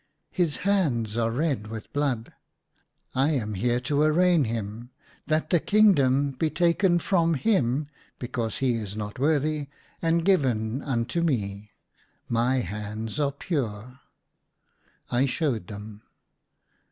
His hands are red with blood. / am here to arraign him ; that the kingdom be taken from him, because he is not worthy, 1 26 "/ THO UGHT I S TOOD." and given unto me. My hands are pure." I showed them.